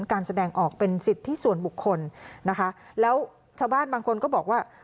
การแสดงออกเป็นสิทธิส่วนบุคคลนะคะแล้วชาวบ้านบางคนก็บอกว่า